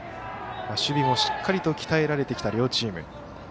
守備もしっかりと鍛えられてきた両チーム。